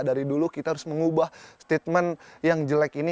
dari dulu kita harus mengubah statement yang jelek ini